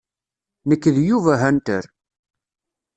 Nekk d Yuba Hunter.